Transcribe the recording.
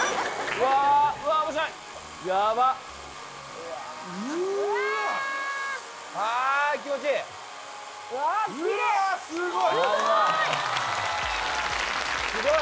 うわすごい！